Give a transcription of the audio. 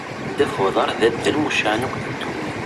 Ddabex n uḍar d addal mucaεen akk di ddunit.